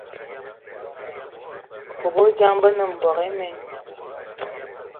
Bobejang, be ne mboigi imen.